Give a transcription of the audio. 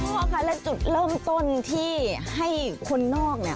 พ่อคะและจุดเริ่มต้นที่ให้คนนอกเนี่ย